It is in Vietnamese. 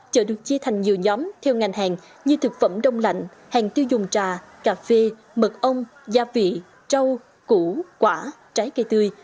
chợ được chia thành nhiều nhóm theo ngành hàng như thực phẩm đông lạnh hàng tiêu dùng trà cà phê mật ông gia vị trâu củ quả trái cây tươi